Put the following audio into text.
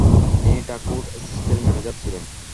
তিনি ঠাকুর এস্টেটের ম্যানেজার ছিলেন।